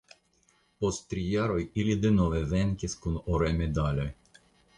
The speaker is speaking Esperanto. Post tri jaroj ili denove venkis kun oraj medaloj.